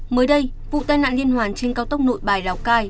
mới đây vụ tai nạn liên hoàn trên cao tốc nội bài lào cai